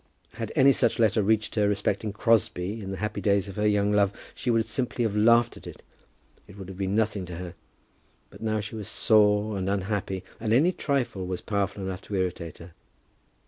Had any such letter reached her respecting Crosbie in the happy days of her young love, she would simply have laughed at it. It would have been nothing to her. But now she was sore and unhappy, and any trifle was powerful enough to irritate her.